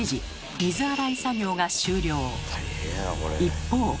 一方。